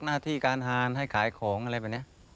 หน้าที่การทานให้ขายของอะไรแบบนี้